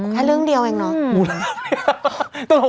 แค่เรื่องเดียวเองเนาะ